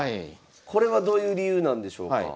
これはどういう理由なんでしょうか？